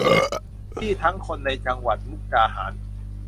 ที่ทั้งคนในจังหวัดมุกดาหาร